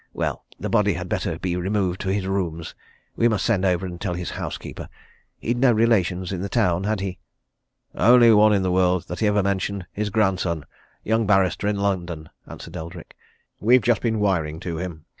Well, the body had better be removed to his rooms we must send over and tell his housekeeper. He'd no relations in the town, had he?" "Only one in the world that he ever mentioned his grandson a young barrister in London," answered Eldrick. "We've just been wiring to him.